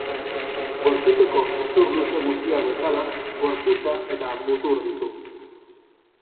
Gorputzeko hezur luze guztiak bezala gorputza eta mutur ditu.